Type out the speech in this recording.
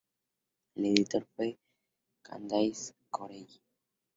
El editor fue Candace Corelli.